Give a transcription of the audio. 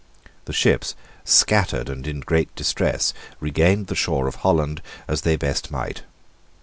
The ships, scattered and in great distress, regained the shore of Holland as they best might.